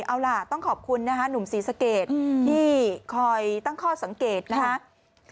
เอาล่ะต้องขอบคุณนะคะหนุ่มศรีสะเกดที่คอยตั้งข้อสังเกตนะครับ